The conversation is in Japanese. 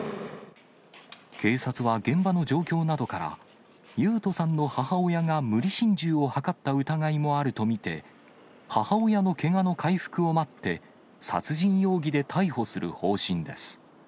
警察は現場の状況などから、勇人さんの母親が無理心中を図った疑いもあると見て、母親のけがの回復を待って、殺人容疑で逮捕する方針です。